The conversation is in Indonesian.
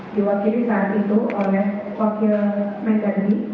diwakili saat itu oleh fokil mengeri